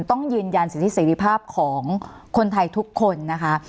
ต้องยืนยันสิทธิเสรีภาพของคนไทยทุกคนนะคะ